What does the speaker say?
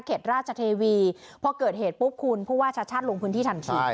เข็ดราชเทวีพอเกิดเหตุปุ๊บคุณพูดว่าชัดชัดลงพื้นที่ทันขีด